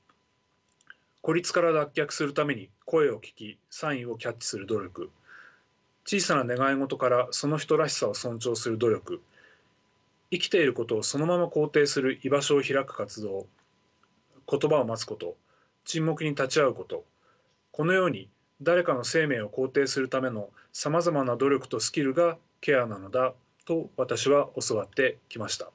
孤立から脱却するために声を聞きサインをキャッチする努力小さな願い事からその人らしさを尊重する努力生きていることをそのまま肯定する居場所を開く活動言葉を待つこと沈黙に立ち会うことこのように誰かの生命を肯定するためのさまざまな努力とスキルがケアなのだと私は教わってきました。